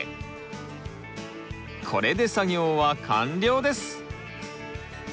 これで作業は完了です！